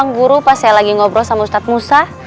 masuk ke ruang guru pas saya lagi ngobrol sama ustadz musa